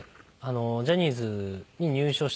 ジャニーズに入所した。